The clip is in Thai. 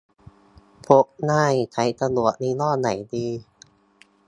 พกง่ายใช้สะดวก ยี่ห้อไหนดี